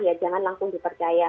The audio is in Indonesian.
ya jangan langsung dipercaya